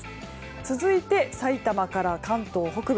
続いて、さいたまから関東北部。